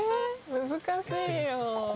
難しいよ。